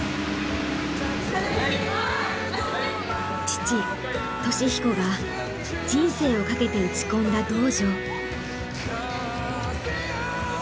父稔彦が人生をかけて打ち込んだ道場。